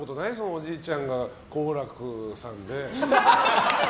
おじいちゃんが好楽さんで。